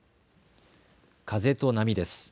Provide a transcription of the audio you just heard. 風と波です。